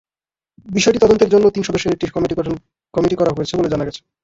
বিষয়টি তদন্তের জন্য তিন সদস্যের একটি কমিটি করা হয়েছে বলে জানা গেছে।